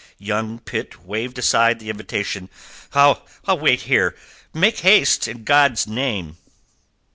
Young Pitt waved aside the invitation. "I'll wait here. Make haste, in God's name."